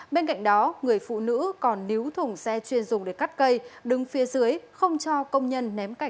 bên cạnh đó người phụ nữ còn níu thùng xe chuyên dùng để cắt cây đứng phía dưới không cho công nhân ném cảnh